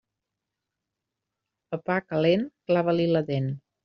A pa calent, clava-li la dent.